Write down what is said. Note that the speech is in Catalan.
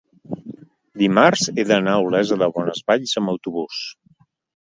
dimarts he d'anar a Olesa de Bonesvalls amb autobús.